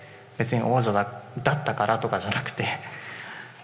別に王者だったからとかじゃなくて。